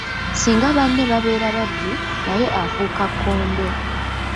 Singa banne babeera babbi, naye afuuka kkondo.